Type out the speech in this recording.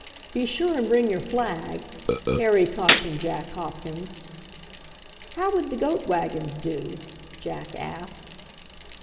"Be sure and bring your flag," Harry cautioned Jack Hopkins. "How would the goat wagons do?" Jack asked.